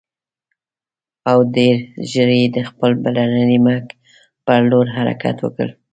او ډېر ژر یې د خپل پلرني ملک پر لور حرکت وکړ.